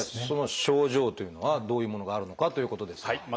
その症状というのはどういうものがあるのかということですが。